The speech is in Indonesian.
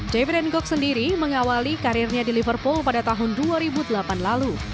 javi ranggok sendiri mengawali karirnya di liverpool pada tahun dua ribu delapan lalu